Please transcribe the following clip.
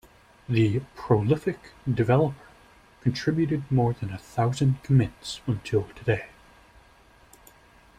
The prolific developer contributed more than a thousand commits until today.